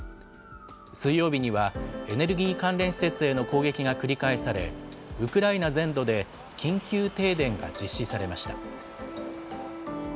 水曜日には、エネルギー関連施設への攻撃が繰り返され、ウクライナ全土で、緊急停電が実施されました。